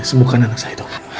sembukkan anak saya dong